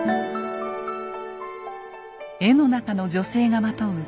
絵の中の女性がまとう